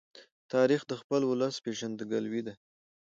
تاریخ د خپل ولس پېژندګلوۍ ده.